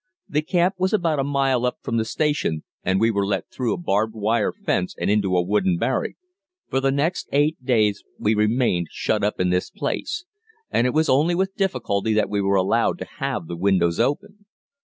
The camp was about a mile up from the station, and we were let through a barbed wire fence and into a wooden barrack. For the next eight days we remained shut up in this place, and it was only with difficulty that we were allowed to have the windows open.